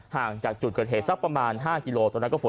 ห่างจากจุดเกิดเหตุสักประมาณ๕กิโล